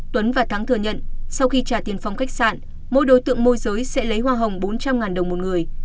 tuấn và thắng thừa nhận sau khi trả tiền phòng khách sạn mỗi đối tượng môi giới sẽ lấy hoa hồng bốn trăm linh đồng một người